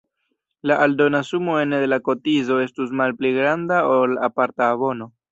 La aldona sumo ene de la kotizo estus malpli granda ol aparta abono.